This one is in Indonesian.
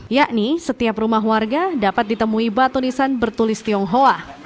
yakni setiap rumah warga dapat ditemui batu nisan bertulis tionghoa